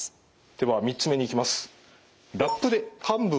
では３つ目にいきます。